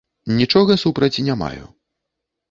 Нічога супраць не маю.